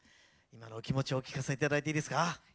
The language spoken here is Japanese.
今のお気持ちをお聞かせいただいていいですか？